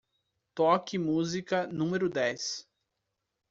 Toque música número dez.